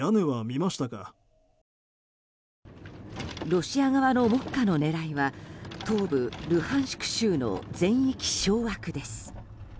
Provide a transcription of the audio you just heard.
ロシア側の目下の狙いは東部ルハンシク州の全域掌握です。